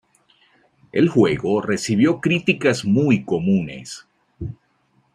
El juego recibió críticas muy comunes.